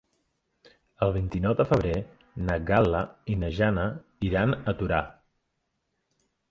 El vint-i-nou de febrer na Gal·la i na Jana iran a Torà.